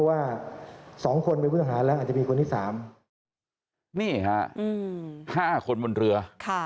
ห้าคนบนเรือ